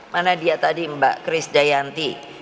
mana dia tadi mbak chris dayanti